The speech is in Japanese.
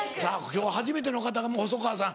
今日初めての方が細川さん。